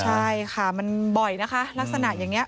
ใช่ค่ะมันบ่อยนะคะลักษณะอย่างนี้